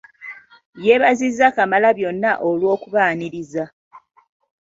Yeebazizza Kamalabyonna olw'okubaaniriza.